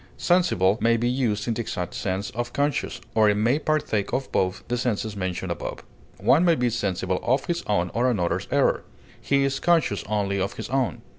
Sensible may be used in the exact sense of conscious, or it may partake of both the senses mentioned above. One may be sensible of his own or another's error; he is conscious only of his own.